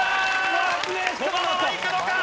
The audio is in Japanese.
このままいくのか？